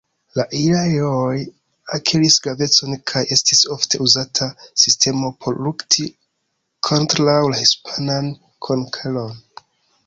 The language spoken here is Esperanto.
La ajljareŭe-oj akiris gravecon kaj estis ofte-uzata sistemo por lukti kontraŭ la hispanan konkeron.